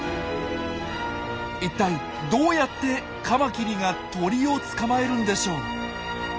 一体どうやってカマキリが鳥を捕まえるんでしょう？